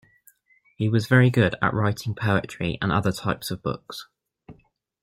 He was very good at writing poetry and other types of books.